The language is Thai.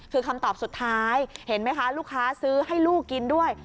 คือคำตอบสุดท้ายเห็นไหมคะลูกค้าซื้อให้ลูกกินด้วย